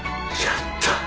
やった！